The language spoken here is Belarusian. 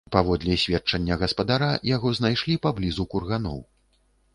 Паводле сведчання гаспадара, яго знайшлі паблізу курганоў.